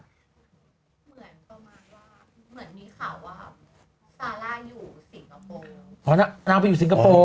เหมือนมีข่าวว่าซาร่าอยู่สิงคโปร์อ๋อน่ะนางไปอยู่สิงคโปร์